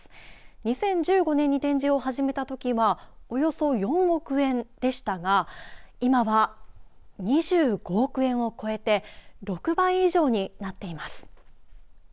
２０１５年に展示を始めたときはおよそ４億円でしたが今は２５億円を超えて６倍以上になっています。